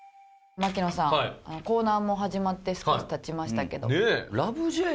槙野さんコーナーも始まって少し経ちましたけど。